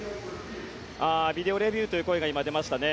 ビデオレビューという声が今出ましたね。